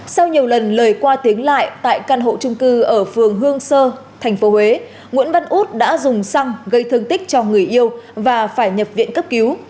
sau nhiều lần lời qua tiếng lại tại căn hộ trung cư ở phường hương sơ tp huế nguyễn văn út đã dùng xăng gây thương tích cho người yêu và phải nhập viện cấp cứu